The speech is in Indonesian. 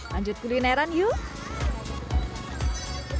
lanjut kulineran yuk